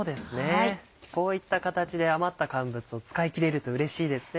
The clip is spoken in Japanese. こういった形で余った乾物を使い切れるとうれしいですね。